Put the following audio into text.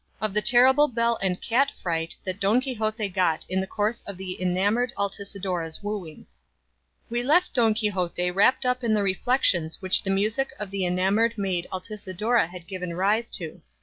OF THE TERRIBLE BELL AND CAT FRIGHT THAT DON QUIXOTE GOT IN THE COURSE OF THE ENAMOURED ALTISIDORA'S WOOING We left Don Quixote wrapped up in the reflections which the music of the enamourned maid Altisidora had given rise to.